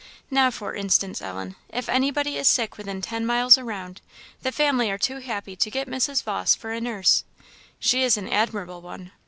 Now, for instance, Ellen, if anybody is sick within ten miles round, the family are too happy to get Mrs. Vawse for a nurse. She is an admirable one.